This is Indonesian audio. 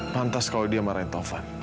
pantas kalau dia marahin tovan